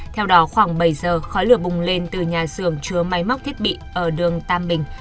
theo đó khoảng bảy giờ khói lửa bùng lên từ nhà xưởng chứa máy móc thiết bị ở đường tam bình